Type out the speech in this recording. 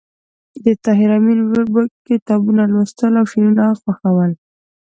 د طاهر آمین ورور به کتابونه لوستل او شعرونه خوښول